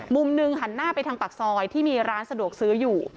มุมหนึ่งหันหน้าไปทางปากซอยที่มีร้านสะดวกซื้ออยู่